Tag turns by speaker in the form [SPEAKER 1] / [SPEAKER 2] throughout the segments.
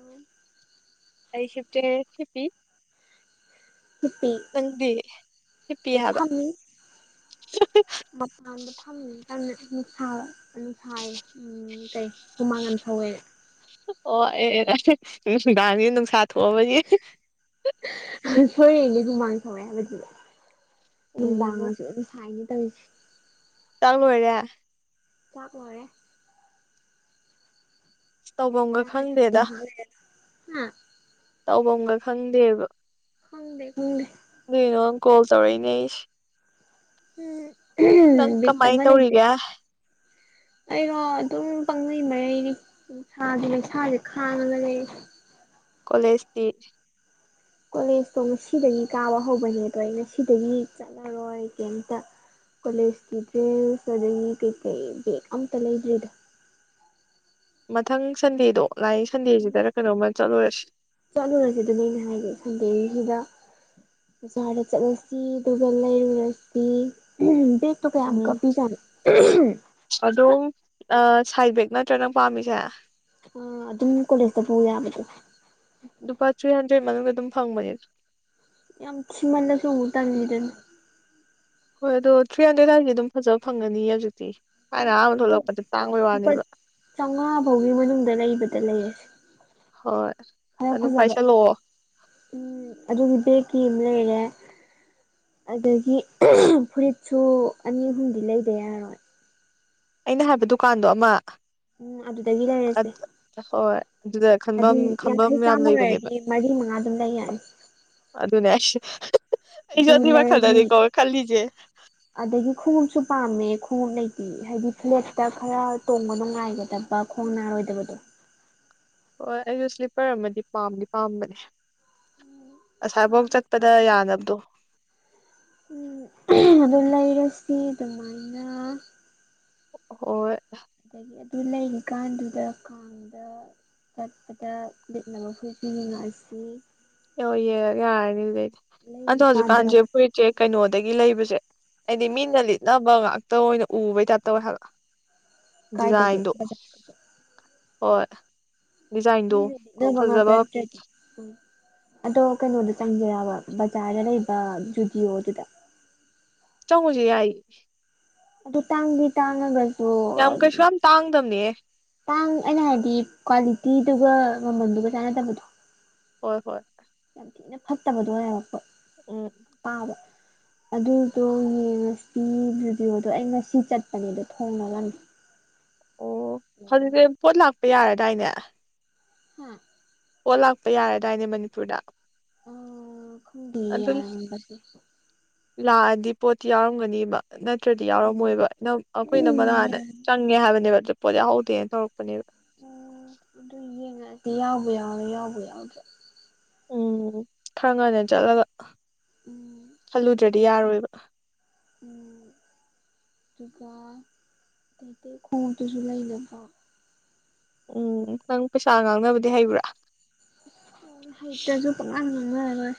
[SPEAKER 1] ꯑꯣ
[SPEAKER 2] ꯑꯩ ꯁꯤꯞꯇꯦ ꯍꯤꯄꯤ
[SPEAKER 1] ꯍꯤꯄꯤ
[SPEAKER 2] ꯍꯤꯞꯄꯤ
[SPEAKER 1] ꯑꯩ
[SPEAKER 2] ꯍꯥꯏꯕ
[SPEAKER 1] ꯐꯝꯃꯤ ꯃꯄꯥꯟꯗ ꯐꯝꯃꯤ ꯌꯥꯝꯅ ꯅꯨꯡꯁꯥ ꯅꯨꯡ ꯁꯥꯏ ꯎꯝ ꯀꯩ ꯍꯨꯃꯥꯡ ꯌꯥꯝ ꯁꯧꯋꯦ
[SPEAKER 2] ꯑꯣ ꯑꯦꯑꯦ ꯅꯤ ꯅꯨꯡꯗꯥꯡꯅꯤꯅ ꯅꯨꯡꯁꯥ [unintelligible]
[SPEAKER 1] ꯍꯨꯨꯃꯥꯡ ꯁꯧꯋꯦ ꯍꯥꯏꯕꯗꯨꯗꯤ ꯅꯨꯡꯗꯥꯡ
[SPEAKER 2] ꯎꯝ
[SPEAKER 1] ꯑꯣꯢꯁꯨ ꯑꯗꯨꯝ ꯁꯥꯏꯅꯦ ꯇꯧꯔꯤꯁꯦ
[SPEAKER 2] ꯆꯥꯛ ꯂꯣꯢꯔꯦ
[SPEAKER 1] ꯆꯥꯛ ꯂꯣꯢꯔꯦ
[SPEAKER 2] ꯇꯧꯐꯝꯒ ꯈꯪꯗꯦꯗ
[SPEAKER 1] ꯆꯥꯔꯗꯕꯅꯤ ꯉꯥꯏꯍꯥꯛ ꯍꯥ
[SPEAKER 2] ꯇꯧꯕꯝꯒ ꯈꯪꯗꯦꯕ
[SPEAKER 1] ꯈꯪꯗꯦ ꯈꯪꯗꯦ
[SPEAKER 2] ꯑꯗꯨꯏꯅꯣ ꯀꯣꯜ ꯇꯧꯔꯛꯏꯅꯦ ꯑꯩꯁꯦ ꯅꯪ
[SPEAKER 1] ꯎꯝ ꯕꯤꯠ
[SPEAKER 2] ꯀꯃꯥꯏꯅ ꯇꯧꯔꯤꯒꯦ [inaudible]
[SPEAKER 1] ꯑꯩꯩꯔꯣ ꯑꯗꯨꯝ ꯄꯪꯂꯩ ꯃꯔꯩꯔꯤ ꯅꯨꯡꯁꯥꯒꯤ ꯃꯩꯁꯥꯁꯦ ꯈꯥꯡꯉꯒ ꯂꯩ
[SPEAKER 2] ꯀꯣꯂꯦꯁꯇꯤ
[SPEAKER 1] ꯀꯣꯂꯦꯖꯇꯣ ꯉꯁꯤꯗꯒꯤ ꯀꯥꯕ ꯍꯧꯕꯅꯦꯕ ꯉꯁꯤꯗꯒꯤ ꯆꯠꯂꯔꯣꯏ ꯀꯩꯝꯇ ꯀꯣꯂꯦꯖꯀꯤ ꯗ꯭ꯔꯦꯁ ꯑꯗꯒꯤ ꯀꯩꯀꯩ ꯕꯦꯛ ꯑꯝꯇ ꯂꯩꯗ꯭ꯔꯤꯗ
[SPEAKER 2] ꯃꯊꯪ ꯁꯟꯗꯦꯗꯣ ꯂꯛꯏ ꯁꯟꯗꯦꯁꯤꯗꯔꯥ ꯀꯩꯅꯣꯝꯃ ꯆꯠꯂꯨꯔꯁꯤ
[SPEAKER 1] ꯆꯠꯂꯨꯔꯁꯤ ꯑꯗꯨꯅꯤ ꯑꯩꯅ ꯍꯥꯏꯗꯤ ꯁꯟꯗꯦꯁꯤꯗ ꯕꯖꯔꯗ ꯆꯠꯂꯁꯤ ꯑꯗꯨꯒ ꯂꯩꯔꯨꯔꯁꯤ ꯕꯦꯛ ꯀꯌꯥꯝ ꯃꯨꯛꯀ
[SPEAKER 2] ꯎꯝ
[SPEAKER 1] ꯄꯤꯖꯠꯅꯣ
[SPEAKER 2] ꯑ ꯁꯥꯏꯇ ꯕꯦꯛ ꯅꯠꯇ꯭ꯔꯥ ꯅꯪ ꯄꯥꯝꯃꯤꯁꯦ
[SPEAKER 1] ꯑ ꯑꯗꯨꯝ ꯀꯣꯂꯦꯖꯇ ꯄꯨ ꯌꯥꯕꯗꯣ
[SPEAKER 2] ꯂꯨꯄꯥ ꯊ꯭ꯔꯤ ꯍꯟꯗ꯭ꯔꯦꯠ ꯃꯅꯨꯡꯗ ꯑꯗꯨꯝ ꯐꯪꯕꯅꯦ
[SPEAKER 1] ꯌꯥꯝ ꯊꯤꯃꯟꯂꯁꯨ ꯑꯃꯨꯛ ꯇꯜꯂꯤꯗꯅ
[SPEAKER 2] ꯍꯣꯏ ꯑꯗꯣ ꯊ꯭ꯔꯤ ꯍꯟꯗ꯭ꯔꯦꯗ ꯑꯗꯥꯏꯗꯗꯤ ꯑꯗꯨꯝ ꯐꯖꯕ ꯐꯪꯒꯅꯤ ꯍꯧꯖꯤꯛꯇꯤ ꯊꯥꯏꯅ
[SPEAKER 1] ꯍꯣꯏ
[SPEAKER 2] ꯑꯍꯥꯟꯕ ꯊꯣꯛꯂꯛꯄꯗ ꯇꯥꯡꯕꯩ
[SPEAKER 1] ꯂꯨꯄꯥ
[SPEAKER 2] ꯋꯥꯅꯦꯕ
[SPEAKER 1] ꯆꯥꯝꯃꯉꯥ ꯐꯥꯎꯒꯤ ꯃꯅꯨꯡꯗ ꯂꯩꯕꯗ ꯂꯩꯔꯁꯦ
[SPEAKER 2] ꯍꯣꯏ
[SPEAKER 1] ꯈꯔ
[SPEAKER 2] ꯑꯗꯨꯝ
[SPEAKER 1] ꯐꯖꯕ
[SPEAKER 2] ꯄꯥꯏꯁꯜꯂꯛꯑꯣ
[SPEAKER 1] ꯎꯝ ꯑꯗꯨꯒꯤ ꯕꯦꯒꯀꯤ ꯑꯃ ꯂꯩꯔꯦ [inaudible] ꯑꯗꯒꯤ ꯐꯨꯔꯤꯠꯁꯨ ꯑꯅꯤ ꯑꯍꯨꯝꯗꯤ ꯂꯩꯗ ꯌꯔꯣꯏ
[SPEAKER 2] ꯑꯩꯅ ꯍꯥꯏꯕ ꯗꯨꯀꯥꯟꯗꯣ ꯑꯃ
[SPEAKER 1] ꯎꯝ ꯑꯗꯨꯗꯒꯤ ꯂꯩꯔꯁꯦ
[SPEAKER 2] ꯍꯣꯏ ꯑꯗꯨꯗ
[SPEAKER 1] ꯑꯗꯨ
[SPEAKER 2] ꯈꯟꯕꯝ ꯈꯟꯕꯝ
[SPEAKER 1] ꯌꯥꯡꯈꯩ
[SPEAKER 2] ꯌꯥꯝ
[SPEAKER 1] ꯆꯥꯝꯃ ꯂꯩꯔꯗꯤ
[SPEAKER 2] ꯂꯩꯕꯅꯦꯕ
[SPEAKER 1] ꯃꯔꯤ ꯃꯉꯥ ꯑꯗꯨꯝ ꯂꯩ ꯌꯥꯅꯤ
[SPEAKER 2] ꯑꯗꯨꯅꯦ ꯍꯥꯏꯁꯦ
[SPEAKER 1] ꯑꯗꯨ ꯂꯩꯔꯅꯤ
[SPEAKER 2] ꯈꯜꯂꯤꯁꯦ
[SPEAKER 1] ꯑꯗꯒꯤ ꯈꯣꯡꯉꯨꯞꯁꯨ ꯄꯥꯝꯃꯦ ꯈꯣꯡꯎꯞ ꯂꯩꯇꯦ ꯍꯥꯏꯗꯤ ꯐ꯭ꯂꯦꯠꯇ ꯈꯔ ꯇꯣꯡꯕ ꯅꯨꯡꯉꯥꯏꯒꯗꯕ ꯈꯣꯡ ꯅꯥꯔꯣꯏꯗꯕꯗꯣ
[SPEAKER 2] ꯍꯣꯏ ꯑꯩꯁꯨ ꯁ꯭ꯂꯤꯞꯄꯔ ꯑꯃꯗꯤ ꯄꯥꯝꯗꯤ ꯄꯥꯝꯕꯅꯦ ꯑꯁꯥꯏꯐꯥꯎ ꯆꯠꯄꯗ ꯌꯥꯅꯕꯗꯣ
[SPEAKER 1] ꯎꯝ [unintelligible] ꯂꯩꯔꯥꯁꯤ ꯑꯗꯨꯃꯥꯏꯅ
[SPEAKER 2] ꯍꯣꯏ
[SPEAKER 1] ꯑꯗꯒꯤ ꯑꯗꯨ ꯂꯩꯔꯤꯀꯥꯟꯗꯨꯗ ꯀꯥꯡꯗ ꯆꯠꯄꯗ ꯂꯤꯠꯅꯕ ꯐꯨꯔꯤꯠꯁꯨ ꯌꯦꯡꯉꯛꯑꯁꯤ
[SPEAKER 2] ꯑꯣ ꯌꯦꯡꯉꯒꯦ ꯌꯥꯔꯅꯤ ꯑꯗꯣ
[SPEAKER 1] ꯂꯩꯔꯤꯀꯥꯟꯗ
[SPEAKER 2] ꯍꯧꯖꯤꯛꯀꯥꯟꯁꯦ ꯐꯨꯔꯤꯠꯁꯦ ꯀꯩꯅꯣꯗꯒꯤ ꯂꯩꯕꯁꯦ ꯍꯥꯏꯗꯤ ꯃꯤꯅ ꯂꯤꯠꯅꯕ ꯉꯥꯛꯇ ꯑꯣꯏꯅ ꯎꯕꯩ ꯇꯥꯏꯞꯇ ꯇꯧꯋꯦ ꯍꯥꯏꯕ
[SPEAKER 1] ꯀꯥꯏꯗꯒꯤ
[SPEAKER 2] ꯗꯤꯖꯥꯏꯟꯗꯣ
[SPEAKER 1] ꯕꯖꯥ
[SPEAKER 2] ꯍꯣꯏ ꯗꯤꯖꯥꯏꯟꯗꯣ
[SPEAKER 1] ꯂꯤꯠꯅꯕ ꯉꯥꯛꯇ
[SPEAKER 2] ꯐꯖꯕ
[SPEAKER 1] ꯅꯠꯇ꯭ꯔꯗꯤ ꯎꯝ ꯑꯗꯣ ꯀꯩꯅꯣꯗ ꯆꯪꯖꯤꯔꯕ ꯕꯖꯥꯔꯗ ꯂꯩꯕ ꯨꯖꯨꯗꯤꯌꯣꯗꯨꯗ
[SPEAKER 2] ꯆꯪꯉꯨꯁꯦ ꯌꯥꯏ
[SPEAKER 1] ꯑꯗꯨ ꯇꯥꯡꯗꯤ ꯇꯥꯡꯉꯒ
[SPEAKER 2] ꯌꯥꯝ ꯀꯩꯁꯨ ꯌꯥꯝ ꯇꯥꯡꯗꯕꯅꯦꯍꯦ
[SPEAKER 1] ꯥꯇꯥꯡ ꯑꯩꯅ ꯍꯥꯏꯗꯤ ꯀ꯭ꯋꯥꯂꯤꯇꯤꯗꯨꯒ ꯃꯃꯜꯗꯨꯒ ꯆꯥꯟꯅꯗꯕꯗꯣ
[SPEAKER 2] ꯍꯣꯏ ꯍꯣꯏ
[SPEAKER 1] ꯌꯥꯝ ꯊꯤꯅ ꯐꯠꯇꯕꯗꯣ ꯑꯣꯏꯕꯀꯣ
[SPEAKER 2] ꯎꯝ
[SPEAKER 1] ꯑꯗꯨꯗꯣ ꯌꯦꯡꯉꯁꯤ ꯖꯨꯗꯤꯑꯣꯗꯣ ꯑꯩ ꯉꯁꯤ ꯆꯠꯄꯅꯦꯕ ꯗꯣ ꯊꯣꯡ ꯂꯣꯜꯂꯝꯃꯦ
[SPEAKER 2] ꯑꯣ ꯍꯧꯖꯤꯛꯇꯤ ꯄꯣꯠ ꯂꯥꯛꯄ ꯌꯥꯔꯗꯥꯏꯅꯦ
[SPEAKER 1] ꯍꯥ
[SPEAKER 2] ꯄꯣꯠ ꯂꯥꯛꯄ ꯌꯥꯔꯗꯥꯏꯅꯦ ꯃꯅꯤꯄꯨꯔꯗ
[SPEAKER 1] ꯑ ꯈꯪꯗꯤꯌꯦ
[SPEAKER 2] ꯑꯗꯨ
[SPEAKER 1] ꯌꯔꯝꯕꯁꯨ
[SPEAKER 2] ꯂꯥꯛꯑꯗꯤ ꯄꯣꯠꯇꯤ ꯌꯥꯎꯔꯝꯒꯅꯤꯕ ꯅꯠꯇ꯭ꯔꯗꯤ ꯌꯥꯎꯔꯝꯃꯣꯏꯕ ꯅ ꯑꯩꯈꯣ
[SPEAKER 1] ꯎꯝ
[SPEAKER 2] ꯏꯅꯝꯃ ꯅꯥꯍꯟ
[SPEAKER 1] ꯌꯥꯔ
[SPEAKER 2] ꯆꯪꯉꯦ ꯍꯥꯏꯕꯅꯦꯕ ꯄꯣꯠ ꯌꯥꯎꯍꯧꯗꯦꯅ ꯇꯧꯔꯛꯄ ꯄꯅꯤꯕ
[SPEAKER 1] ꯍꯥꯏꯗꯤ ꯌꯥꯎꯕꯨ ꯌꯥꯎꯔꯦ ꯌꯥꯎꯕꯨ ꯌꯥꯎꯗ꯭ꯔꯦ
[SPEAKER 2] ꯎꯝ ꯈꯔ ꯉꯟꯅ ꯆꯠꯂꯒ
[SPEAKER 1] ꯎꯝ
[SPEAKER 2] ꯈꯜꯂꯨꯗ꯭ꯔꯗꯤ
[SPEAKER 1] ꯑꯗꯒꯤ
[SPEAKER 2] ꯌꯥꯔꯣꯏꯕ
[SPEAKER 1] ꯎꯝ ꯑꯗꯨꯒ ꯑꯇꯩ ꯑꯇꯩ ꯈꯣꯡꯎꯞꯇꯨꯖꯨ ꯂꯩꯅꯕ
[SPEAKER 2] ꯎꯝ ꯅꯪ ꯄꯩꯁꯥ ꯉꯥꯡꯅꯕꯗꯤ ꯍꯩꯕ꯭ꯔꯥ
[SPEAKER 1] ꯍꯥꯏꯇꯖꯨ ꯄꯪꯉꯥꯡ ꯉꯥꯡꯅꯔ ꯂꯣꯏꯔꯦ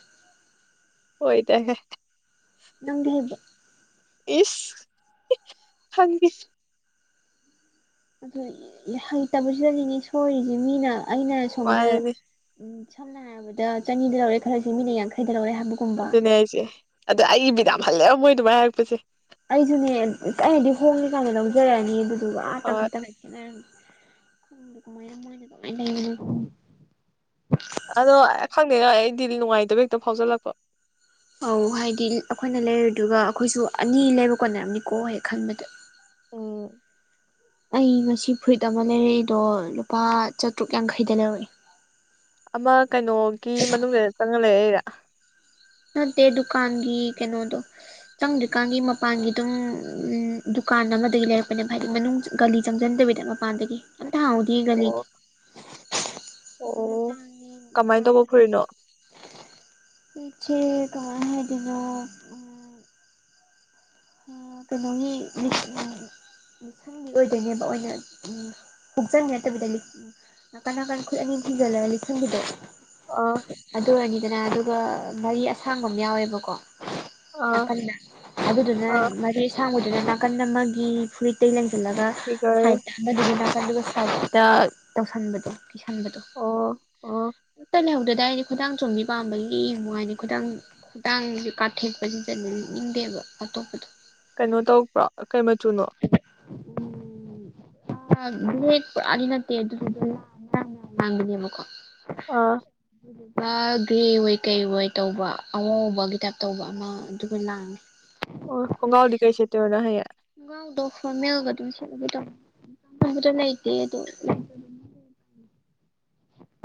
[SPEAKER 2] ꯍꯣꯏꯗꯍꯦ
[SPEAKER 1] ꯅꯪꯗꯤ ꯍꯩꯕ꯭ꯔꯣ
[SPEAKER 2] ꯏꯁ ꯈꯪꯗꯦ
[SPEAKER 1] ꯑꯗꯨ ꯍꯩꯇꯕꯁꯤꯗꯅꯤꯅꯦ ꯁꯣꯏꯔꯤꯁꯦ ꯃꯤꯅ ꯑꯩꯅ ꯁꯣꯝꯗ
[SPEAKER 2] ꯃꯥꯅꯤꯅꯦ
[SPEAKER 1] ꯎꯝ ꯁꯝꯅ ꯍꯥꯏꯔꯕꯗ ꯆꯅꯤꯗ ꯂꯧꯔꯦ ꯈꯜꯂꯁꯤ ꯃꯤꯅ ꯌꯥꯡꯈꯩ
[SPEAKER 2] ꯑꯗꯨꯅꯦ ꯗꯥꯏꯁꯦ ꯑꯗꯣ ꯑꯩꯒꯤ ꯕꯤꯠ ꯖꯥꯝ ꯍꯜꯂꯦꯕ ꯃꯣꯏ ꯑꯗꯨꯃꯥꯏꯅ ꯍꯥꯏꯔꯛꯄꯁꯦ
[SPEAKER 1] ꯑꯩꯖꯨꯅꯦ ꯑꯩꯅꯗꯤ ꯍꯣꯡꯉꯦ ꯀꯥꯏꯅ ꯂꯧꯖꯔꯛꯑꯅꯤ ꯑꯗꯨꯗꯨꯒ ꯑꯥ
[SPEAKER 2] ꯍꯣꯏ
[SPEAKER 1] ꯇꯪꯈꯥꯏ ꯇꯪꯈꯥꯏ ꯈꯦꯠꯅꯔꯝꯃꯦ ꯈꯪꯗꯦꯗ ꯀꯃꯥꯏꯅ ꯃꯣꯏꯅ ꯀꯃꯥꯏ ꯂꯩꯕꯅꯣ [unintelligible]
[SPEAKER 2] ꯑꯗꯣ ꯈꯪꯗꯦꯗꯥ ꯑꯩꯗꯤ ꯅꯨꯡꯉꯥꯏꯇꯕ ꯍꯦꯛꯇ ꯐꯥꯎꯖꯜꯂꯛꯄ
[SPEAKER 1] ꯑꯧ ꯍꯥꯏꯗꯤ ꯑꯩꯈꯣꯏꯅ ꯂꯩꯔꯨꯗꯨꯒ ꯑꯩꯈꯣꯏꯁꯨ ꯑꯅꯤ ꯂꯩꯕ ꯀꯣꯟꯅꯔꯝꯅꯤꯀꯣ ꯍꯦꯛ ꯈꯟꯕꯗ
[SPEAKER 2] ꯎꯝ
[SPEAKER 1] ꯑꯩ ꯉꯁꯤ ꯐꯨꯔꯤꯠ ꯑꯃ ꯂꯩꯔꯛꯏꯗꯣ ꯂꯨꯄꯥ ꯆꯥꯇ꯭ꯔꯨꯛ ꯌꯥꯡꯈꯩꯗ ꯂꯧꯔꯛꯏ
[SPEAKER 2] ꯑꯃ ꯀꯩꯅꯣꯒꯤ ꯃꯅꯨꯡꯗꯩꯗ ꯆꯪꯉ ꯂꯩꯔꯩꯔ
[SPEAKER 1] ꯅꯠꯇꯦ ꯗꯨꯀꯥꯟꯒꯤ ꯀꯩꯅꯣꯗꯣ ꯆꯪꯗ꯭ꯔꯤꯀꯥꯟꯒꯤ ꯃꯄꯥꯟꯒꯤ ꯑꯗꯨꯝ ꯎꯝ ꯗꯨꯀꯥꯟ ꯑꯃꯗꯒꯤ ꯂꯩꯔꯛꯄꯅꯦꯕ ꯍꯥꯏꯗꯤ ꯃꯅꯨꯡ ꯒꯥꯂꯤ ꯆꯪꯖꯤꯟꯗꯕ ꯗ ꯃꯄꯥꯟꯗꯒꯤ ꯑꯝꯇ ꯍꯥꯡꯍꯧꯗꯤ ꯒꯜꯂꯤꯗꯤ
[SPEAKER 2] ꯑꯣ ꯑꯣ ꯀꯃꯥꯏꯅ ꯇꯧꯕ ꯐꯨꯔꯤꯠꯅꯣ
[SPEAKER 1] [unintelligible] [inaudible] ꯄꯨꯡꯆꯦ ꯀꯃꯥꯏ ꯍꯥꯏꯗꯣꯏꯅꯣ ꯎꯝ ꯀꯩꯅꯣꯒꯤ ꯂꯤꯠꯁꯤꯟꯒꯤ [inaudible] ꯑꯣꯏꯗꯣꯏꯅꯦꯕ ꯑꯣꯏꯅ ꯎꯝ ꯍꯨꯛꯆꯟꯕꯤ ꯅꯠꯇꯕꯤꯗ ꯂꯤꯠ ꯅꯀꯟ ꯅꯀꯟ ꯈꯨꯠ ꯑꯅꯤ ꯊꯤꯡꯖꯜꯂꯒ ꯂꯤꯠꯁꯟꯕꯤꯗꯣ
[SPEAKER 2] ꯑꯥ
[SPEAKER 1] ꯑꯗꯨ ꯑꯣꯏꯔꯅꯤꯗꯅ ꯑꯗꯨꯒ ꯃꯔꯤ ꯑꯁꯥꯡꯕ ꯑꯃ ꯌꯥꯎꯋꯦꯕꯀꯣ
[SPEAKER 2] ꯑꯥ
[SPEAKER 1] ꯅꯥꯀꯟꯗ ꯑꯗꯨꯗꯨꯅ
[SPEAKER 2] ꯑꯥ
[SPEAKER 1] ꯃꯔꯤ ꯑꯁꯥꯡꯕꯗꯨꯅ ꯅꯥꯀꯟꯗ ꯃꯒꯤ ꯐꯨꯔꯤꯇꯩꯂꯩ ꯂꯦꯡꯁꯜꯂꯒ
[SPEAKER 2] ꯐꯤꯒꯔ
[SPEAKER 1] ꯁꯥꯏ ꯊꯗꯕꯤꯗ ꯅꯥꯀꯟꯗꯒ ꯁꯥꯏꯠꯇ ꯇꯧꯁꯟꯕꯗꯣ ꯂꯤꯠꯁꯤꯟꯕꯗꯣ
[SPEAKER 2] ꯑꯣ ꯑꯣ
[SPEAKER 1] ꯑꯝꯇ ꯂꯩꯍꯧꯗ꯭ꯔꯦꯗ ꯑꯩꯗꯤ ꯈꯨꯗꯥꯡ ꯆꯣꯟꯕꯤ ꯄꯥꯝꯕꯒꯤ ꯌꯦꯡꯕꯋꯥꯅꯦ ꯈꯨꯗꯥꯡ ꯈꯨꯗꯥꯡꯖꯤ ꯀꯥꯊꯦꯛꯄꯖꯤꯗꯅꯦ [unintelligible] ꯅꯤꯡꯗꯦꯕ ꯑꯇꯣꯞꯄꯗꯣ
[SPEAKER 2] ꯀꯩꯅꯣ ꯇꯧꯕ꯭ꯔꯣ ꯀꯩ ꯃꯆꯨꯅꯣ
[SPEAKER 1] ꯕꯂꯦꯛꯇꯣ ꯑꯅꯤ ꯅꯠꯇꯦ ꯑꯗꯨꯗꯨꯒ ꯂꯥꯡꯕꯗꯤ ꯃꯥꯔꯥꯡ ꯃꯥꯔꯥꯡ ꯂꯥꯡꯕꯅꯦꯕꯀꯣ
[SPEAKER 2] ꯑꯥ
[SPEAKER 1] ꯑꯗꯨꯗꯨꯒ ꯒꯔꯦ ꯑꯣꯏ ꯀꯩꯑꯣꯏ ꯇꯧꯕ ꯑꯋꯥꯎꯕꯒꯤ ꯇꯥꯏꯞ ꯇꯧꯕ ꯑꯃ ꯑꯗꯨꯒ ꯂꯥꯡꯉꯤ
[SPEAKER 2] ꯑꯣ ꯈꯣꯡꯒ꯭ꯔꯥꯎꯗꯤ ꯀꯩ ꯁꯦꯠꯇꯣꯏ ꯅꯪ ꯍꯌꯦꯡ
[SPEAKER 1] ꯈꯣꯡꯒ꯭ꯔꯥꯎꯗꯣ ꯐꯣꯔꯃꯦꯜꯒ ꯑꯗꯨꯝ ꯁꯦꯠꯂꯒꯦ [unintelligible] ꯂꯩꯇꯦ ꯑꯗꯨ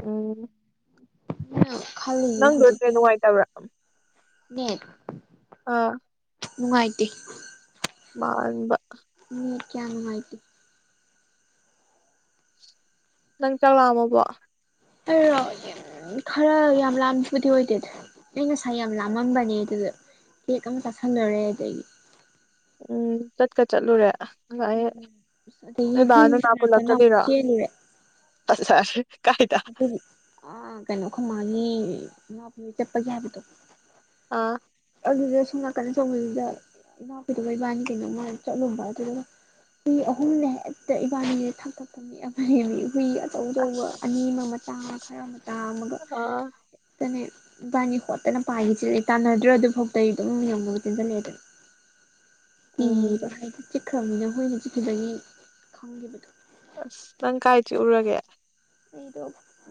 [SPEAKER 2] ꯎꯝ
[SPEAKER 1] [unintelligible]
[SPEAKER 2] ꯅꯪ ꯗꯣ [unintelligible]
[SPEAKER 1] ꯍꯧꯖꯤꯛꯀꯤ
[SPEAKER 2] ꯅꯨꯡꯉꯥꯇꯕ꯭ꯔ
[SPEAKER 1] ꯅꯦꯠ
[SPEAKER 2] ꯑꯥ
[SPEAKER 1] ꯅꯨꯡꯉꯥꯏꯇꯦ
[SPEAKER 2] ꯃꯥꯟꯕ
[SPEAKER 1] ꯅꯦꯠ ꯀꯌꯥꯅꯨꯡꯉꯥꯏꯇꯦ
[SPEAKER 2] ꯅꯪ ꯆꯥꯛ ꯂꯥꯝꯃꯕꯣ
[SPEAKER 1] ꯑ ꯈꯔ ꯌꯥꯝ ꯂꯥꯝꯕꯕꯨꯗꯤ ꯑꯣꯏꯗꯦꯗ ꯑꯩ ꯉꯁꯥꯏ ꯌꯥꯝ ꯂꯥꯝꯃꯝꯕꯅꯦ ꯑꯗꯨꯗ ꯀꯦꯛ ꯑꯃ ꯆꯥꯁꯜꯂꯨꯔꯦ ꯑꯗꯒꯤ
[SPEAKER 2] ꯎꯝ ꯆꯠꯀ ꯆꯠꯂꯨꯔꯦ ꯑꯗꯨꯒ ꯑꯩ
[SPEAKER 1] ꯎꯝ ꯑꯗꯒꯤ
[SPEAKER 2] ꯅꯣꯏ
[SPEAKER 1] ꯍꯨꯏ
[SPEAKER 2] ꯕꯥꯗꯣ ꯂꯥꯛꯑ ꯄꯨꯂꯞ
[SPEAKER 1] ꯃꯅꯥꯛꯇꯅ ꯑꯃꯨꯛ
[SPEAKER 2] ꯆꯠꯇꯣꯏꯔꯣ
[SPEAKER 1] ꯆꯦꯜꯂꯨꯔꯦ
[SPEAKER 2] ꯑꯁ ꯑꯁ
[SPEAKER 1] ꯑꯗꯨꯒꯤ ꯑ ꯀꯩꯅꯣ ꯑꯩꯈꯣꯏꯃꯥꯒꯤ ꯏꯅꯥꯎꯄꯤꯒꯤ ꯆꯠꯄꯒꯤ ꯍꯥꯏꯕꯗꯣ
[SPEAKER 2] ꯑꯥ
[SPEAKER 1] ꯑꯗꯨꯗ ꯁꯣꯝ ꯅꯥꯀꯟꯗ ꯇꯧꯕꯗꯨꯗ ꯏꯅꯥꯎꯄꯤꯗꯨꯒ ꯏꯕꯥꯅꯤ ꯀꯩꯅꯣꯃ ꯑꯣꯏ ꯆꯠꯂꯨꯕ ꯑꯗꯨꯗ ꯍꯨꯏ ꯑꯍꯨꯝꯅꯦ ꯍꯦꯛꯇ ꯏꯕꯥꯅꯤꯁꯦ ꯊꯛꯊꯛ ꯅꯤꯛꯑꯕꯅꯦꯃꯤ ꯍꯨꯏ ꯑꯆꯧꯆꯧꯕ ꯑꯅꯤ
[SPEAKER 2] ꯑꯁ
[SPEAKER 1] ꯑꯃ ꯃꯆꯥ ꯈꯔꯃꯆꯥ ꯑꯃꯒ
[SPEAKER 2] ꯑꯥ
[SPEAKER 1] ꯍꯦꯛꯇꯅꯦ ꯏꯕꯅꯤ ꯍꯣꯠꯇꯅ ꯄꯥꯏꯈꯩ ꯆꯦꯜꯂꯛꯑꯦ ꯇꯥꯟꯅꯗ꯭ꯔ ꯑꯗꯨꯐꯥꯎꯗ ꯑꯗꯨꯝ ꯌꯧꯅꯕ ꯆꯦꯟꯁꯤꯜꯂꯛꯑꯦꯗꯅ ꯀꯤꯕ
[SPEAKER 2] ꯎꯝ
[SPEAKER 1] ꯍꯥꯏꯗꯤ ꯆꯤꯛꯈ꯭ꯔꯕꯅꯤꯅ ꯍꯨꯏꯅ ꯆꯤꯛꯈꯤꯕꯒꯤ ꯈꯪꯒꯤꯕꯗꯣ
[SPEAKER 2] ꯑꯁ ꯅꯪ ꯀꯥꯏ ꯆꯤꯛꯎꯔꯒꯦ
[SPEAKER 1] ꯑꯩꯗꯣ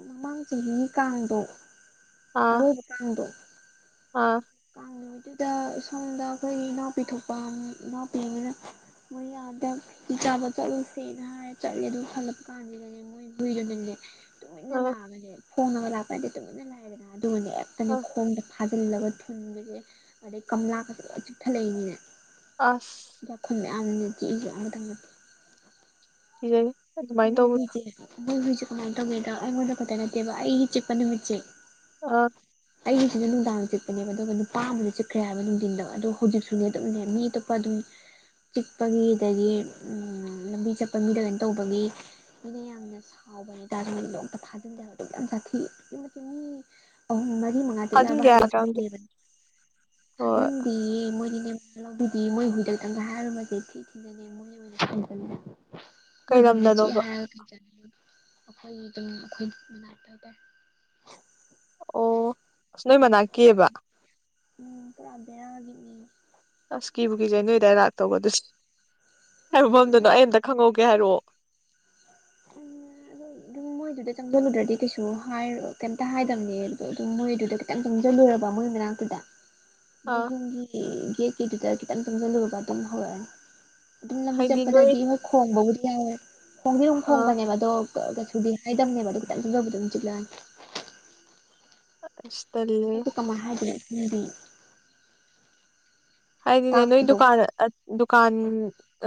[SPEAKER 1] ꯃꯃꯥꯡ ꯆꯍꯤꯒꯤ ꯀꯥꯡꯗꯣ
[SPEAKER 2] ꯑꯥ
[SPEAKER 1] ꯑꯔꯣꯏꯕ ꯀꯥꯡꯗꯣ
[SPEAKER 2] ꯑꯥ
[SPEAKER 1] ꯀꯥꯡ ꯅꯨꯃꯤꯠꯇꯨꯗ ꯁꯣꯝꯗ ꯑꯩꯈꯣꯏꯒꯤ ꯏꯅꯥꯎꯄꯤꯊꯣꯛꯄ ꯏꯅꯥꯎꯄꯤ ꯑꯃꯅ ꯃꯣꯏ ꯌꯥꯝ ꯍꯟꯗꯛ ꯆꯥꯛꯆꯥꯕ ꯆꯠꯂꯨꯁꯦꯅ ꯍꯥꯏꯔꯦ ꯆꯠꯂꯦ ꯑꯗꯨ ꯍꯜꯂꯛꯄ ꯀꯥꯟꯁꯤꯗꯅꯦ ꯃꯣꯏ ꯍꯨꯏꯗꯨꯅꯅꯦ ꯇꯨꯃꯤꯟꯅ
[SPEAKER 2] ꯑꯥ
[SPEAKER 1] ꯂꯥꯛꯑꯒꯅꯦ ꯐꯣꯡꯉꯅꯒ ꯂꯥꯛꯄꯅꯠꯇꯦ ꯇꯨꯃꯤꯟꯅ ꯂꯥꯛꯑꯦꯗꯅ ꯑꯗꯨꯒꯅꯦ
[SPEAKER 2] ꯑꯥ
[SPEAKER 1] ꯍꯦꯛꯇꯅꯦ ꯈꯣꯡꯗ ꯐꯥꯖꯤꯜꯂꯒ ꯇꯨꯡꯗꯒꯤ ꯑꯗꯩ ꯀꯝꯂꯛꯀꯁꯦ ꯂꯣꯏ ꯆꯤꯛꯊꯠꯂꯛꯏꯅꯤꯅꯦ
[SPEAKER 2] ꯑꯁ
[SPEAKER 1] ꯌꯝꯅꯅꯦ ꯆꯤꯛꯏꯁꯦ ꯑꯗꯨꯃꯗꯤ
[SPEAKER 2] ꯀꯤꯖꯩ ꯑꯗꯨꯃꯥꯏꯅ ꯇꯧꯕꯗꯣ
[SPEAKER 1] ꯃꯣꯏꯒꯤꯖꯦ ꯃꯣꯏ ꯍꯨꯏꯁꯖꯦ ꯀꯃꯥꯏ ꯇꯧꯒꯦꯗ ꯑꯩꯉꯣꯟꯗ ꯈꯠꯇ ꯅꯠꯇꯦꯕ ꯑꯩꯒꯤ ꯆꯤꯛꯄ ꯅꯨꯃꯤꯠꯁꯦ
[SPEAKER 2] ꯑ
[SPEAKER 1] ꯑꯩꯒꯤꯖꯤꯅ ꯅꯨꯡꯗꯥꯡ ꯆꯤꯠꯄꯅꯦꯕ ꯑꯗꯨꯒ ꯅꯨꯄꯥ ꯑꯃꯁꯨ ꯆꯤꯛꯈ꯭ꯔꯦ ꯍꯥꯏꯕ ꯅꯨꯡꯗꯤꯟꯗ ꯑꯗꯣ ꯍꯧꯖꯤꯛꯁꯨꯅꯦ ꯑꯗꯨꯝꯅꯦ ꯃꯤ ꯑꯇꯣꯞꯄ ꯑꯗꯨꯝ ꯆꯤꯛꯄꯒꯤ ꯑꯗꯒꯤ ꯎꯝ ꯂꯝꯕꯤ ꯆꯠꯄ ꯃꯤꯗ ꯀꯩꯅꯣ ꯇꯧꯕꯒꯤ
[SPEAKER 2] [inaudible]
[SPEAKER 1] ꯃꯤꯅ ꯌꯥꯝꯅ ꯁꯥꯎꯕ ꯍꯥꯏꯇꯥꯔꯦ ꯅꯣꯡꯇ ꯐꯥꯖꯟꯗꯦ ꯍꯥꯏꯕ ꯑꯗꯨꯛꯌꯥꯝ ꯇꯥꯊꯤ ꯑꯗꯨꯛꯀꯤ ꯃꯇꯤꯛ ꯃꯤ ꯑꯍꯩꯝ ꯃꯔꯤ ꯃꯔꯤ ꯃꯉꯥ ꯆꯤꯛꯂꯛ ꯑꯕ
[SPEAKER 2] ꯊꯥꯖꯤꯟꯒꯦ
[SPEAKER 1] ꯍꯥꯏꯁꯦ
[SPEAKER 2] ꯍꯥꯏꯒꯗ꯭ꯔꯥ ꯈꯪꯗꯦ
[SPEAKER 1] ꯁꯊꯤꯔꯕꯅꯤ
[SPEAKER 2] ꯍꯣꯏ
[SPEAKER 1] ꯐꯖꯤꯟꯗꯤꯌꯦ ꯃꯣꯏꯗꯤ ꯂꯧꯕꯤꯗꯤ ꯃꯣꯏ ꯍꯨꯏꯗ ꯈꯤꯇꯪꯒ ꯍꯥꯏꯔꯨꯕꯁꯦ ꯊꯤ ꯊꯤꯅꯅꯦ ꯃꯣꯏ ꯑꯣꯏꯅ ꯁꯎꯖꯜꯂꯦꯕ
[SPEAKER 2] ꯀꯩ ꯂꯝꯗ
[SPEAKER 1] ꯆꯦꯛꯑꯦ ꯍꯥꯏꯔꯒ [unintelligible] ꯑꯩꯈꯣꯏꯒꯤ ꯑꯗꯨꯝ ꯑꯩꯈꯣꯏ ꯃꯅꯥꯛꯇ ꯇꯥꯏ
[SPEAKER 2] ꯑꯣ ꯑꯁ ꯅꯣꯏ ꯃꯅꯥꯛꯀꯤꯕ
[SPEAKER 1] ꯎꯝ ꯄꯨꯔꯥ ꯕꯦꯔꯒꯤ ꯍꯨꯏꯅꯤ
[SPEAKER 2] ꯑꯁ ꯀꯤꯕꯨ ꯀꯖꯩ ꯅꯣꯏ ꯑꯗꯥꯏ ꯂꯥꯛꯇꯧꯕ ꯑꯗꯨꯗꯤ ꯀꯔꯥꯏ ꯃꯐꯝꯗꯅꯣ
[SPEAKER 1] ꯑꯗꯣ
[SPEAKER 2] ꯑꯩ ꯑꯝꯇ ꯈꯪꯉꯧꯒꯦ ꯀꯦ ꯍꯥꯏꯔꯣ
[SPEAKER 1] ꯑꯗꯨꯗ ꯆꯪꯁꯤꯜꯂꯨꯗ꯭ꯔꯗꯤ ꯀꯩꯁꯨ ꯍꯥꯏꯔꯣ ꯀꯩꯝꯇ ꯍꯥꯏꯗꯝꯅꯦꯕ ꯑꯗꯨꯝ ꯃꯣꯏꯗꯨꯗ ꯈꯤꯇꯪ ꯆꯪꯁꯤꯜꯂꯨꯔꯕ ꯃꯣꯏ ꯃꯅꯛ ꯑꯗꯨꯗ ꯃꯣꯏ
[SPEAKER 2] ꯑꯥ
[SPEAKER 1] ꯌꯨꯝꯒꯤ ꯒꯦꯠꯀꯤꯗꯨꯗ ꯈꯤꯇꯪ ꯆꯪꯖꯜꯂꯨꯔꯕ ꯑꯗꯨꯝ ꯍꯧꯔꯥꯑꯅꯤ ꯑꯗꯨꯝ ꯂꯝꯕꯤ
[SPEAKER 2] ꯍꯥꯏꯗꯤ ꯅꯣꯏ
[SPEAKER 1] ꯆꯠꯄꯗꯗꯤ ꯍꯣꯏ ꯈꯣꯡꯕꯕꯨꯗꯤ ꯌꯥꯎꯋꯦ ꯈꯣꯡꯗꯤ ꯑꯗꯨꯝ
[SPEAKER 2] ꯑꯥ
[SPEAKER 1] ꯈꯣꯡꯕꯅꯦꯕ ꯑꯗꯣ ꯀꯩꯁꯨꯗꯤ ꯍꯥꯏꯗꯅꯤꯕ ꯑꯗꯣ ꯈꯤꯇꯡ ꯆꯡꯁꯤꯂꯨꯕꯗ ꯑꯗꯨꯝ ꯆꯤꯛꯂꯛꯑꯅꯤ
[SPEAKER 2] ꯑꯁ ꯇꯜꯂꯦ
[SPEAKER 1] ꯑꯩꯗꯣ ꯀꯃꯥꯏ ꯍꯥꯏꯗꯣꯏꯅꯣ ꯈꯪꯗꯤꯌꯦ
[SPEAKER 2] ꯍꯥꯏꯗꯤꯅꯦ ꯅꯣꯏ ꯗꯨꯀꯥꯟ ꯑ ꯗꯨꯀꯥꯟ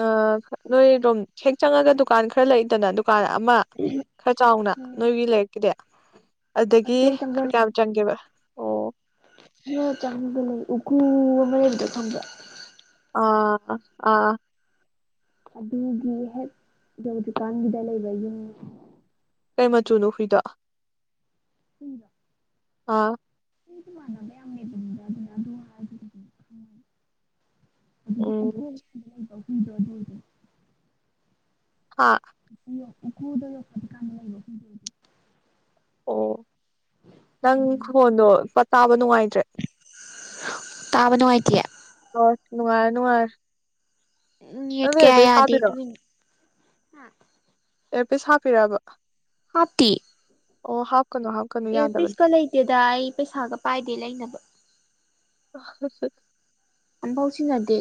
[SPEAKER 2] ꯑ ꯅꯣꯏ ꯔꯣꯝ ꯍꯦꯛ ꯆꯪꯉꯒ ꯗꯨꯀꯥꯟ ꯈꯔ ꯂꯩꯗꯅ ꯑꯗꯨ ꯗꯨꯀꯥꯟ ꯑꯃ ꯈꯔ ꯆꯥꯎꯅ
[SPEAKER 1] ꯎꯝ
[SPEAKER 2] ꯅꯣꯏꯒꯤ ꯂꯩꯔꯛꯀꯤꯗꯤ ꯑꯗꯒꯤ
[SPEAKER 1] ꯑꯗꯨꯗꯩ
[SPEAKER 2] ꯈꯔ
[SPEAKER 1] ꯆꯪꯖꯜꯂꯦ
[SPEAKER 2] ꯀꯌꯥꯝ ꯆꯪꯒꯦꯕ ꯑꯣ
[SPEAKER 1] ꯈꯔꯥ ꯆꯪꯉꯒ ꯂꯩ ꯎꯀꯨ ꯑꯃ ꯂꯩꯕꯗꯣ ꯈꯪꯕ꯭ꯔꯥ
[SPEAKER 2] ꯑꯥ ꯑꯥ
[SPEAKER 1] ꯑꯗꯨꯒꯤ ꯍꯦꯛ ꯌꯧꯗ꯭ꯔꯤꯀꯥꯟꯒꯤꯗ ꯂꯩꯕ ꯌꯨꯝ
[SPEAKER 2] ꯀꯩ ꯃꯆꯨꯅꯣ ꯍꯨꯏꯗꯣ
[SPEAKER 1] ꯍꯨꯏꯔꯣ
[SPEAKER 2] ꯑꯥ
[SPEAKER 1] ꯍꯨꯏꯗꯤ ꯃꯥꯟꯅꯕ ꯌꯥꯝ ꯂꯩꯕꯅꯤꯗ ꯑꯗꯨꯅ ꯑꯗꯨ ꯍꯥꯏꯔꯁꯨ ꯀꯩꯁꯨ ꯈꯪꯉꯣꯏ ꯑꯗꯨꯗꯤ
[SPEAKER 2] ꯎꯝ
[SPEAKER 1] ꯎꯀꯨ [unintelligible] ꯂꯩꯕ ꯍꯨꯏꯗꯣ ꯑꯗꯨ ꯑꯣꯏꯗꯨꯏꯕ
[SPEAKER 2] ꯍꯥ
[SPEAKER 1] ꯎꯈꯨꯗ ꯎꯀꯨꯗꯒ ꯐꯠ ꯀꯥꯟꯅ ꯂꯩꯕ ꯍꯨꯏꯗꯣ ꯑꯣꯏꯗꯣꯏꯅꯤ [unintelligible]
[SPEAKER 2] ꯑꯣ ꯅꯪꯒꯤ ꯈꯣꯟꯗꯣ ꯄꯠ ꯇꯥꯕ ꯅꯨꯡꯉꯥꯏꯇ꯭ꯔꯦ
[SPEAKER 1] ꯇꯥꯕ ꯅꯨꯡꯉꯥꯏꯇꯤꯌꯦ
[SPEAKER 2] ꯍꯣꯏ ꯅꯨꯉꯥꯢꯔꯦ ꯅꯨꯨꯉꯥꯢꯔꯦ
[SPEAKER 1] ꯎꯝ ꯅꯦꯠ ꯀꯌꯥ ꯌꯥꯗꯦ ꯑꯗꯨꯒꯤꯅꯦ
[SPEAKER 2] ꯑꯦꯌꯔꯄꯤꯁ ꯍꯥꯞꯄꯤꯔꯕ
[SPEAKER 1] ꯍꯥꯞꯇꯤꯌꯦ
[SPEAKER 2] ꯑꯣ ꯍꯥꯞ
[SPEAKER 1] ꯏꯌꯥꯔꯄꯤꯁꯀ ꯂꯩꯇꯦꯗ ꯑꯩ ꯄꯩꯁꯥꯒ ꯄꯥꯏꯗꯦ ꯂꯩꯅꯕ
[SPEAKER 2] ꯑꯍꯍꯥ
[SPEAKER 1] ꯑꯝꯐꯥꯎ ꯁꯤꯖꯤꯟꯅꯗꯦ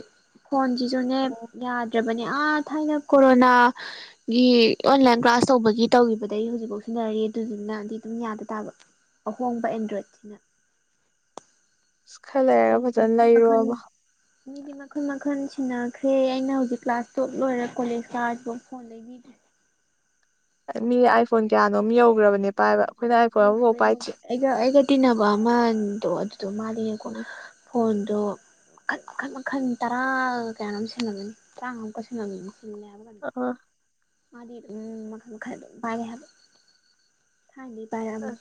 [SPEAKER 1] ꯐꯣꯟꯁꯤꯁꯨꯅꯦ ꯌꯥꯗ꯭ꯔꯕꯅꯦ ꯑꯥ ꯊꯥꯏꯅ ꯀꯣꯔꯣꯅꯥ ꯒꯤ ꯑꯣꯟꯂꯥꯏꯟ ꯀ꯭ꯂꯥꯁ ꯇꯧꯕꯒꯤ ꯇꯧꯒꯤꯕꯗꯒꯤ ꯍꯧꯖꯤꯛꯐꯥꯎ ꯁꯤꯟꯅꯔꯤ ꯑꯗꯨꯗꯨꯅꯗꯤ ꯑꯗꯨꯝ ꯌꯥꯗ ꯇꯥꯕ ꯑꯍꯣꯡꯕ ꯑꯦꯟꯗ꯭ꯔꯣꯏꯗꯁꯤꯅ
[SPEAKER 2] ꯑꯁ ꯈꯥ ꯂꯩꯔꯒ
[SPEAKER 1] ꯃꯤꯗꯤ
[SPEAKER 2] ꯐꯖꯅ
[SPEAKER 1] ꯃꯈꯜ ꯃꯈꯜ
[SPEAKER 2] ꯂꯩꯔꯣꯕꯣ
[SPEAKER 1] ꯃꯤꯗꯤ ꯃꯈꯟ ꯃꯈꯟ ꯁꯤꯟꯅꯈ꯭ꯔꯦ ꯑꯩꯅ ꯍꯧꯖꯤꯛ ꯀ꯭ꯂꯥꯁ ꯇꯨꯌꯦꯜꯞ ꯂꯣꯏꯔ ꯀꯣꯂꯦꯖ ꯀꯥꯔꯁꯤꯐꯥꯎ ꯐꯣꯟ ꯂꯩꯕꯤꯗ꯭ꯔꯤ
[SPEAKER 2] [inaudible] ꯃꯤ ꯑꯥꯏꯐꯣꯟ ꯀꯌꯥꯅꯣꯝ ꯌꯧꯈ꯭ꯔꯕꯅꯦ ꯄꯥꯏꯕ ꯑꯩꯈꯣꯏꯅ ꯑꯥꯏꯐꯣꯟ ꯑꯃꯐꯥꯎ
[SPEAKER 1] ꯌꯧꯒ꯭ꯔꯦ
[SPEAKER 2] ꯄꯥꯏꯗ꯭ꯔꯤ
[SPEAKER 1] ꯌꯧꯒ꯭ꯔꯦ ꯑꯩꯒ ꯑꯩꯒ ꯇꯤꯟꯅꯕ ꯑꯃꯗꯣ ꯑꯗꯨꯗꯣ ꯃꯥꯜꯗꯤꯅꯦꯀꯣ
[SPEAKER 2] ꯎꯝ
[SPEAKER 1] ꯐꯣꯟꯗꯣ ꯃꯈꯟ ꯃꯈꯟ ꯃꯈꯟ ꯇꯔꯥ ꯀꯌꯥꯅꯣꯝ ꯁꯤꯜꯂꯝꯃꯅꯤ ꯇꯔꯥꯉꯥꯃꯨꯛꯀ ꯁꯤꯜꯂꯝꯃꯅꯤ ꯁꯤꯜꯂꯦ ꯍꯥꯢꯕ꯭ꯔꯥ ꯀꯩꯅꯣ
[SPEAKER 2] ꯑ
[SPEAKER 1] ꯃꯥꯗꯤ ꯑꯗꯨꯝ ꯃꯈꯜ ꯃꯈꯜ ꯑꯗꯨꯝ ꯄꯥꯢ ꯍꯥꯏꯕ ꯊꯥꯏꯅꯗꯒꯤ
[SPEAKER 2] ꯑ
[SPEAKER 1] ꯄꯥꯏꯔꯛꯑꯕꯅꯤ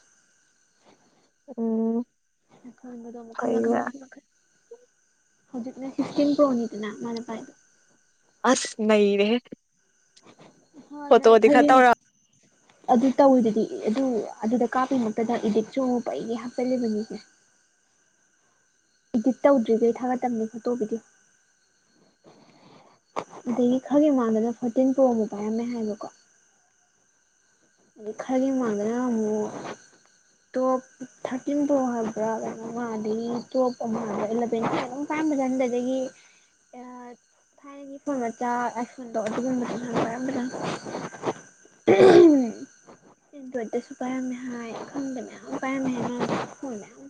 [SPEAKER 2] ꯎꯝ
[SPEAKER 1] ꯅꯪꯅ ꯐꯣꯟꯒꯥꯗꯣ ꯃꯈꯜ ꯃꯈꯜ
[SPEAKER 2] ꯐꯩꯅꯦ
[SPEAKER 1] ꯃꯈꯜ ꯃꯈꯟ ꯍꯧꯖꯤꯛꯅ ꯐꯤꯐꯇꯤꯟ ꯄ꯭ꯔꯣꯅꯤꯗꯅ ꯃꯥꯅ ꯄꯥꯏꯗꯣ
[SPEAKER 2] ꯑꯁ ꯅꯩꯔꯦꯍꯦ
[SPEAKER 1] ꯍꯥꯟꯅ
[SPEAKER 2] ꯐꯣꯇꯣꯗꯤ ꯈꯔ
[SPEAKER 1] ꯐꯩꯌꯦꯅꯦ
[SPEAKER 2] ꯇꯧꯔꯝ
[SPEAKER 1] ꯑꯗꯨ ꯇꯧꯋꯤꯗꯨꯗꯤ ꯑꯗꯨ ꯑꯗꯨꯗ ꯀꯥꯞꯄꯤꯃꯛꯇꯗ ꯏꯗꯤꯠꯁꯨ ꯄꯩꯉꯩ ꯍꯥꯞꯆꯜꯂꯤꯕꯅꯤꯁꯦ
[SPEAKER 2] [inaudible]
[SPEAKER 1] ꯏꯗꯤꯠ ꯇꯧꯗ꯭ꯔꯤꯈꯩ ꯊꯥꯒꯠꯇꯕꯅꯦ ꯐꯣꯇꯣ ꯕꯤꯗꯤꯑꯣ ꯑꯗꯒꯤ ꯈꯔꯒꯤ ꯃꯥꯡꯗꯅ ꯐꯣꯔꯇꯤꯟ ꯄ꯭ꯔꯣ ꯑꯃꯨꯛ ꯄꯥꯏꯔꯝꯃꯦ ꯍꯥꯏꯕꯀꯣ ꯑꯗꯩ ꯈꯔꯒꯤ ꯃꯥꯡꯗꯅ ꯑꯃꯨꯛ ꯇꯣꯞ ꯊꯥꯔꯇꯤꯟ ꯄ꯭ꯔꯣ ꯍꯥꯏꯕ꯭ꯔꯥ ꯀꯩꯅꯣꯃꯥ ꯑꯗꯒꯤ ꯇꯣꯞ ꯑꯃꯨꯛ ꯍꯥꯏꯕꯔꯥ ꯑꯃꯂꯚꯦꯟꯂ ꯀꯩꯅꯣꯝ ꯄꯥꯢ ꯔꯝꯕꯖꯥꯠꯅꯤꯗ ꯑꯗꯒꯤ ꯑ ꯊꯥꯏꯅꯒꯤ ꯐꯣꯟ ꯃꯆꯥ ꯑꯥꯏꯐꯣꯟꯗꯣ ꯑꯗꯨꯒꯨꯝꯕꯗꯨꯁꯨ ꯍꯥꯟꯅ ꯄꯥꯢꯔꯝꯕꯖꯥꯠꯅꯦ ꯑꯍꯝ ꯑꯦꯟꯗ꯭ꯔꯣꯢꯠꯇꯁꯨ ꯄꯥꯢꯔꯝꯃꯦ ꯍꯥꯢ ꯈꯪꯗꯦ ꯃꯌꯥꯝ ꯄꯥꯢꯔꯝꯃꯦ ꯍꯥꯢ ꯃꯥꯅ ꯐꯣꯟ ꯃꯌꯥꯝ